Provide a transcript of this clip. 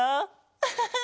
アハハ！